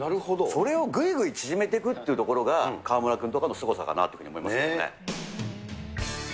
それをぐいぐい縮めていくというところが、川村君とかのすごさかなと思いますね。